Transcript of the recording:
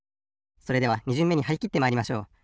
それでは２じゅんめにはりきってまいりましょう。